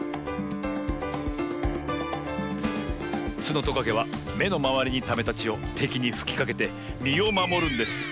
ツノトカゲはめのまわりにためたちをてきにふきかけてみをまもるんです。